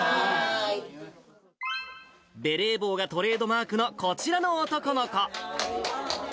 ベレー帽がトレードマークのこちらの男の子。